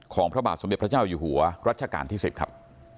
พระบาทสมเด็จพระเจ้าอยู่หัวรัชกาลที่๑๐ครับ